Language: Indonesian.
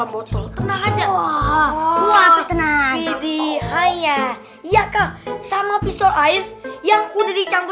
bahwa u fermentasinya di sana